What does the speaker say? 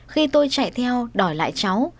khi tôi chạy theo đòi lại cháu